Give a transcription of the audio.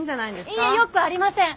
いいえよくありません！